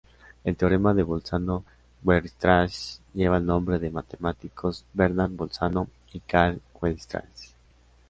El teorema de Bolzano-Weierstrass lleva el nombre de matemáticos Bernard Bolzano y Karl Weierstrass.